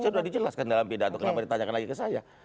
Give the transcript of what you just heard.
sudah dijelaskan dalam pidato kenapa ditanyakan lagi ke saya